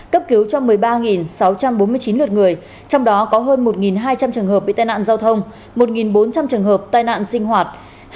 cấp cứu cho một mươi ba sáu trăm bốn mươi chín lượt người trong đó có hơn một hai trăm linh trường hợp bị tai nạn giao thông một bốn trăm linh trường hợp tai nạn sinh hoạt